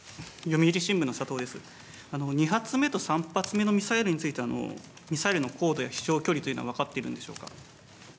２発目と３発目のミサイルについて、ミサイルの高度や飛しょう距離というのは分かっているんでしょう